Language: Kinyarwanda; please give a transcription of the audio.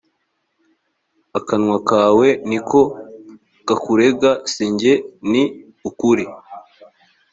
akanwa kawe ni ko kakurega si jye ni ukuri